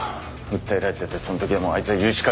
訴えられたってその時はもうあいつは融資課長じゃない。